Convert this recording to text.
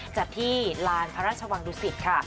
จัดที่ลานพระราชวังดุสิตค่ะ